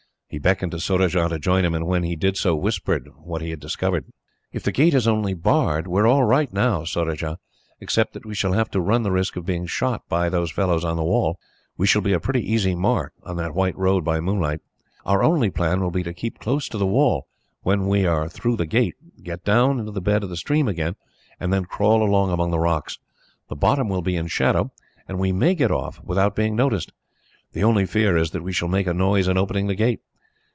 He beckoned to Surajah to join him, and when he did so, whispered what he had discovered. "If the gate is only barred, we are all right now, Surajah; except that we shall have to run the risk of being shot by those fellows on the wall. We shall be a pretty easy mark, on that white road by moonlight. Our only plan will be to keep close to the wall, when we are through the gate, get down into the bed of the stream again, and then crawl along among the rocks. The bottom will be in shadow, and we may get off without being noticed. The only fear is that we shall make a noise in opening the gate.